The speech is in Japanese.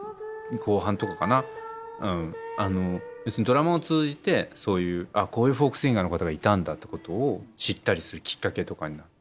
ドラマを通じてそういうこういうフォークシンガーの方がいたんだってことを知ったりするきっかけとかになって。